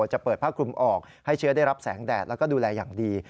จะเปิดผ้าคลุมออกให้เชื้อได้รับแสงแดดแล้วก็ดูแลอย่างดี